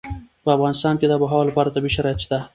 په افغانستان کې د آب وهوا لپاره طبیعي شرایط شته.